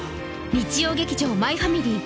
日曜劇場「マイファミリー」